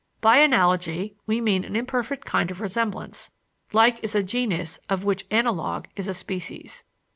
By analogy we mean an imperfect kind of resemblance: like is a genus of which analogue is a species.